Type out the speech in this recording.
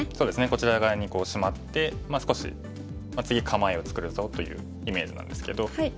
こちら側にシマって少し次構えを作るぞというイメージなんですけど。